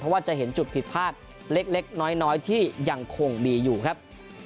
ว่าจะเห็นจุดผิดพลาดเล็กน้อยที่ยังคงมีอยู่ครับ